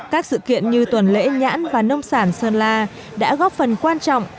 các sự kiện như tuần lễ nhãn và nông sản sơn la đã góp phần quan trọng